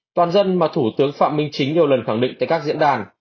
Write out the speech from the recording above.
toàn dân mà thủ tướng phạm minh chính nhiều lần khẳng định tại các diễn đàn